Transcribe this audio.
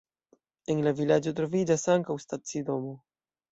En la vilaĝo troviĝas ankaŭ stacidomo.